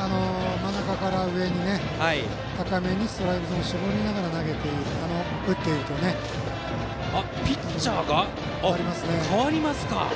真ん中から上に、高めにストライクゾーンを絞りながらピッチャーが代わりますか。